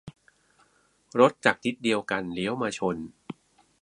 - รถจากทิศเดียวกันเลี้ยวมาชน